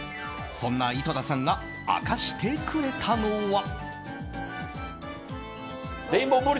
そんな井戸田さんが明かしてくれたのは。